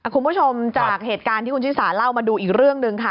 คุณผู้ชมจากเหตุการณ์ที่คุณชิสาเล่ามาดูอีกเรื่องหนึ่งค่ะ